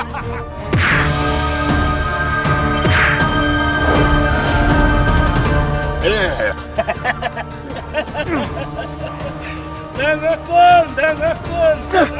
jangan mengakul jangan mengakul